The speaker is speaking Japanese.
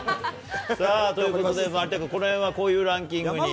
さあ、ということで有田君、この辺はこういうランキングに。